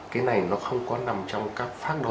cái này nó không có nằm trong các phác đồ